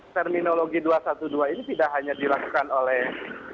terminologi dua ratus dua belas ini tidak hanya dilakukan oleh